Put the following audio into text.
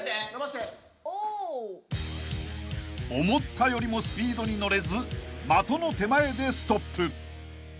［思ったよりもスピードに乗れず的の手前でストップ］